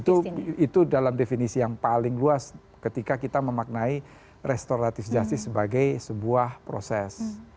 itu dalam definisi yang paling luas ketika kita memaknai restoratif justice sebagai sebuah proses